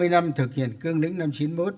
hai mươi năm thực hiện cương lĩnh năm chín mươi một